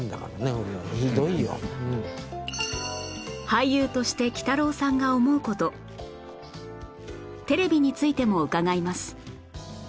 俳優としてきたろうさんが思う事テレビについても伺います